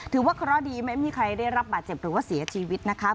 ถือว่าเคราะห์ดีไม่มีใครได้รับบาดเจ็บหรือว่าเสียชีวิตนะคะ